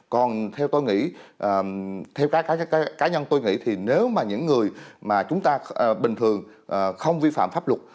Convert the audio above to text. còn theo tôi nghĩ theo các cá nhân tôi nghĩ thì nếu mà những người mà chúng ta bình thường không vi phạm pháp luật